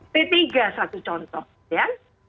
p tiga satu contoh ya